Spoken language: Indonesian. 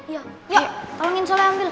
yuk tolongin soleh ambil